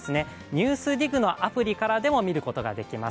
「ＮＥＷＳＤＩＧ」のアプリからでも見ることができます。